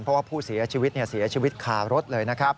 เพราะว่าผู้เสียชีวิตเสียชีวิตคารถเลยนะครับ